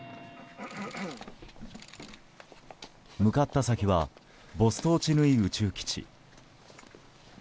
向かった先はボストーチヌイ宇宙基地。